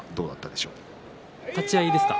立ち合いですか。